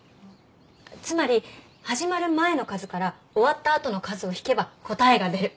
つまり始まる前の数から終わったあとの数を引けば答えが出る。